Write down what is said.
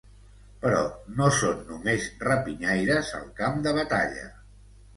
Però no són només rapinyaires al camp de batalla.